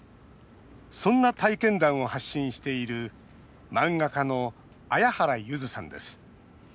そんな体験談を発信している漫画家の彩原ゆずさんです。